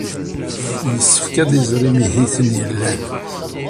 Yessefk ad iẓer imihiten yellan.